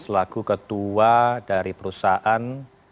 selaku ketua dari perusahaan